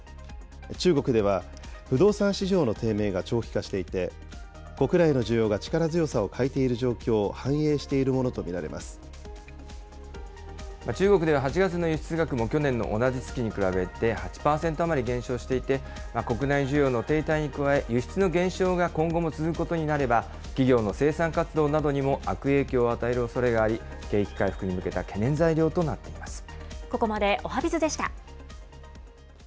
中国では不動産市場の低迷が長期化していて、国内の需要が力強さを欠いている状況を反映しているものと見られ中国では８月の輸出額も、去年の同じ月に比べて、８％余り減少していて、国内需要の停滞に加え、輸出の減少が今後も続くことになれば、企業の生産活動などにも悪影響を与えるおそれがあり、景気回復にここまでおはＢｉｚでした。